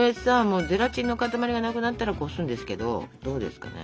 ゼラチンの塊がなくなったらこすんですけどどうですかね？